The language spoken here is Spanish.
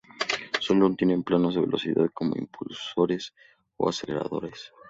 Sólo tienen planos de velocidad, como impulsores, o aceleradores.